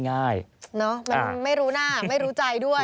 เนาะไม่รู้หน้าไม่รู้ใจด้วย